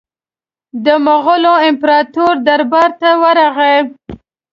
د مغول امپراطور دربار ته ورغی.